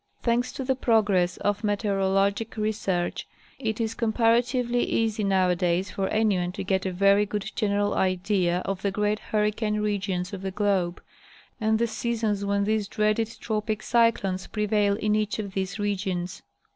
Thanks to the progress of meteorologic research it 1s compar atively easy nowadays for anyone to get a very good general idea 200 Natwnal Geographic Magazine. of the great hurricane regions of the globe, and the seasons when these dreaded tropic cyclones prevail in each of these re gions.